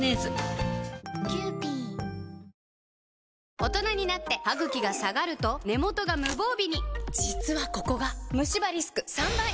大人になってハグキが下がると根元が無防備に実はここがムシ歯リスク３倍！